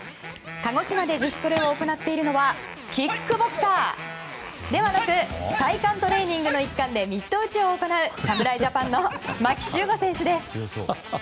鹿児島で自主トレを行っているのはキックボクサーではなく体幹トレーニングの一環でミット打ちを行う侍ジャパンの牧秀悟選手です。